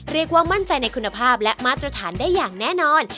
เรียกว่ามั่นใจในคุณภาพและมาตรฐานได้อย่างแน่นอน